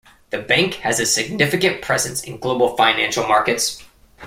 The bank has a significant presence in global financial markets.